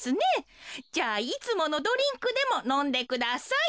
じゃあいつものドリンクでものんでください。